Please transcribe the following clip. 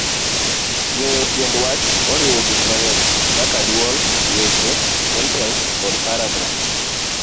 Ng'eyo tiend wach oriwo gik mang'eny kaka dwol, weche, sentens, kod paragraf.